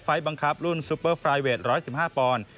และไฟต์บังคับรุ่นซุปเปอร์ฟรายเวท๑๑๕ปอนด์